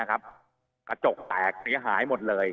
กระจกแตกเสียหายหมดเลย